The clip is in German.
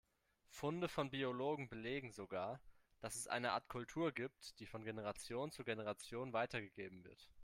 Funde von Biologen belegen sogar, dass es eine Art Kultur gibt, die von Generation zu Generation weitergegeben wird.